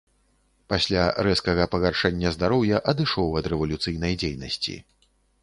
Пасля рэзкага пагаршэння здароўя адышоў ад рэвалюцыйнай дзейнасці.